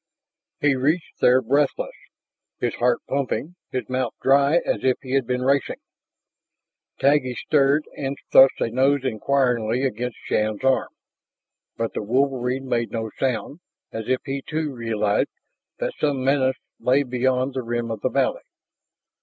He reached there breathless, his heart pumping, his mouth dry as if he had been racing. Taggi stirred and thrust a nose inquiringly against Shann's arm. But the wolverine made no sound, as if he, too, realized that some menace lay beyond the rim of the valley.